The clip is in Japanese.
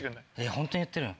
ホントに言ってるの？